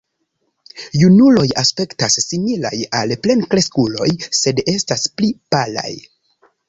Junuloj aspektas similaj al plenkreskuloj, sed estas pli palaj.